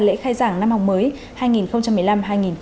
lễ khai giảng năm học mới hai nghìn một mươi năm hai nghìn một mươi sáu